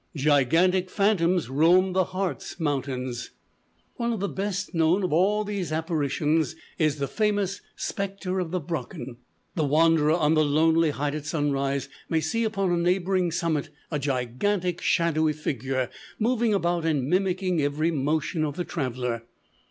Gigantic phantoms roamed the Harz Mountains. One of the best known of all these apparitions is the famous "Specter of the Brocken." The wanderer on the lonely height at sunrise may see upon a neighboring summit a gigantic shadowy figure, moving about, and mimicking every motion of the traveler.